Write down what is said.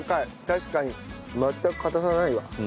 確かに全く硬さないわ。